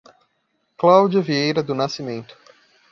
Cláudia Vieira do Nascimento